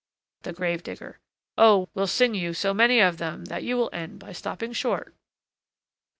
THE GRAVE DIGGER. Oh! we'll sing you so many of them, that you will end by stopping short.